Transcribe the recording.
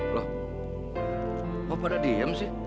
loh kok pada diam sih